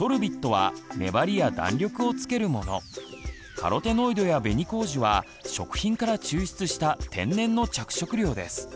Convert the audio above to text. カロテノイドや紅麹は食品から抽出した天然の着色料です。